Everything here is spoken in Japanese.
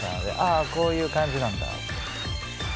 あこういう感じなんだ。